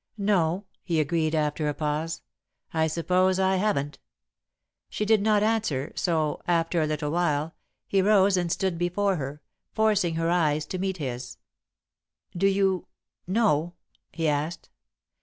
"No," he agreed, after a pause, "I suppose I haven't." She did not answer, so, after a little, he rose and stood before her, forcing her eyes to meet his. "Do you know?" he asked.